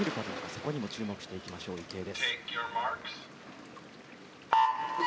そこにも注目していきたい池江。